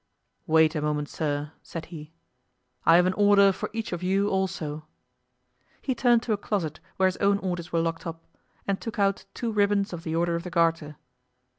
"Wait a moment, sir," said he; "I have an order for each of you also." He turned to a closet where his own orders were locked up, and took out two ribbons of the Order of the Garter.